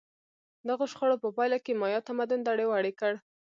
دغو شخړو په پایله کې مایا تمدن دړې وړې کړ